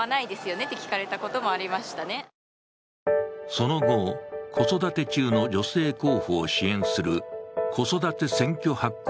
その後、子育て中の女性候補を支援するこそだて選挙ハック！